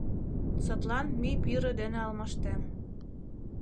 Садлан мӱй пӱрӧ дене алмаштем.